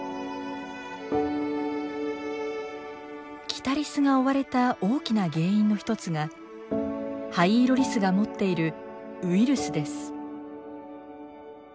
キタリスが追われた大きな原因の一つがハイイロリスが持っているウイルスです。